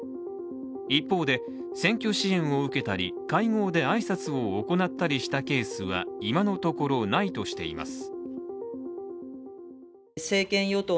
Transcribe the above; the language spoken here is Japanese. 一方で選挙支援を受けたり会合で挨拶を行ったりしたケースは、今のところ、ないとしています。